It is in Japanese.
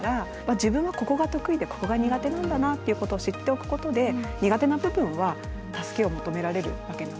自分はここが得意でここが苦手なんだなっていうことを知っておくことで苦手な部分は助けを求められるわけなので。